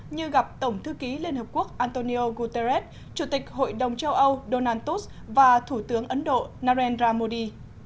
như gặp tổng thư ký liên hợp quốc antonio guterres chủ tịch hội đồng châu âu donald tus và thủ tướng ấn độ narendra modi